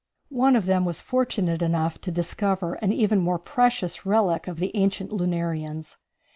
One of them was fortunate enough to discover an even more precious relic of the ancient lunarians.